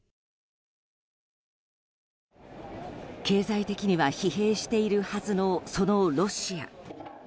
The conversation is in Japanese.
経済的には疲弊しているはずのそのロシア。